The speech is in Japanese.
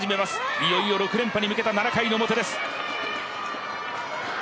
いよいよ６連覇に向けた７回の表です。